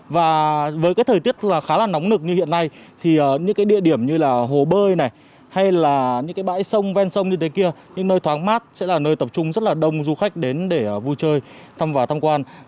và với thời tiết khá là nóng nực như hiện nay thì những địa điểm như hồ bơi bãi sông ven sông như thế kia những nơi thoáng mát sẽ là nơi tập trung rất đông du khách đến để vui chơi thăm quan